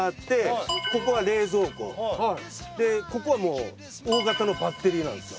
ここはもう大型のバッテリーなんですよ。